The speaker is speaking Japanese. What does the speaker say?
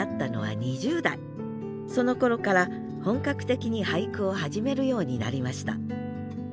そのころから本格的に俳句を始めるようになりました。